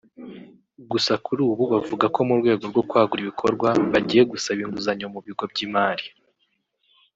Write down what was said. Gusa kuri ubu bavuga ko mu rwego rwo kwagura ibikorwa bagiye gusaba inguzanyo mu bigo by’imari